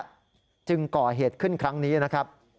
จึงก่อเหตุขึ้นครั้งนี้นะครับ